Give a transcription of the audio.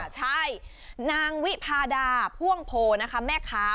ใช่นางวิพาดาพ่วงโพนะคะแม่ค้า